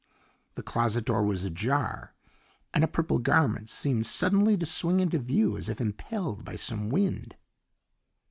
The closet door was ajar, and a purple garment seemed suddenly to swing into view as if impelled by some wind.